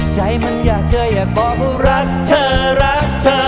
ใจมันอยากเจออยากบอกว่ารักเธอรักเธอ